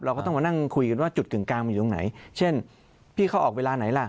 ก็ต้องมานั่งคุยกันว่าจุดกึ่งกลางมันอยู่ตรงไหนเช่นพี่เขาออกเวลาไหนล่ะ